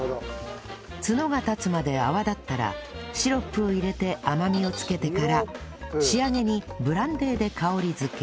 角が立つまで泡立ったらシロップを入れて甘みをつけてから仕上げにブランデーで香り付け